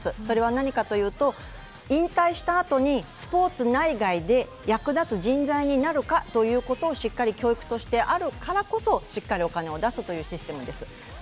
それは何かというと、引退したあとにスポーツ内外で役立つ人材になるかということをしっかり教育としてあるからこそしっかりお金を出すというシステムです。